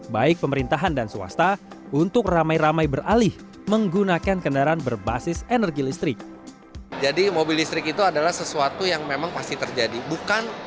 baik pemerintahan dan swasta untuk ramai ramai beralih menggunakan kendaraan berbasis energi listrik